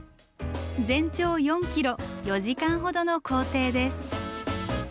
全長４ｋｍ４時間ほどの行程です。